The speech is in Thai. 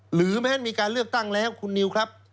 หรือแม้มีการเลือกตั้งแล้วคุณนิวครับ